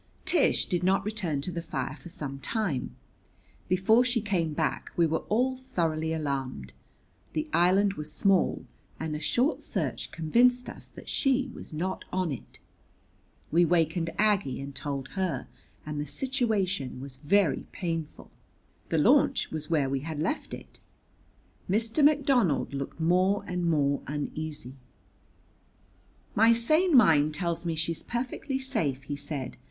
Tish did not return to the fire for some time. Before she came back we were all thoroughly alarmed. The island was small, and a short search convinced us that she was not on it! We wakened Aggie and told her, and the situation was very painful. The launch was where we had left it. Mr. McDonald looked more and more uneasy. "My sane mind tells me she's perfectly safe," he said.